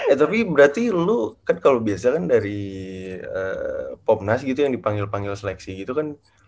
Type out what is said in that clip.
eh tapi berarti lu kan kalau biasa kan dari popnas gitu yang dipanggil panggil seleksi gitu kan